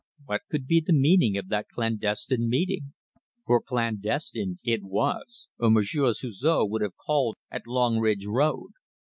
What could be the meaning of that clandestine meeting? for clandestine it was, or Monsieur Suzor would have called at Longridge Road.